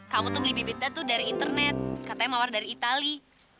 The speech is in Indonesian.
kamu tuh beli bibitnya tuh dari internet katanya mawar dari itali